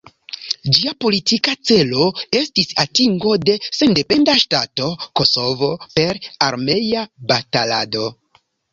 Ĝia politika celo estis atingo de sendependa ŝtato Kosovo per armea batalado.